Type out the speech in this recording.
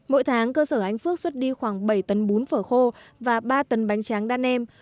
mỗi tháng cơ sở anh phước xuất đi khoảng bảy tấn bún phở khô và ba tấn bánh tráng đan nem